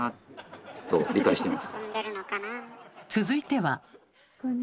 続いては。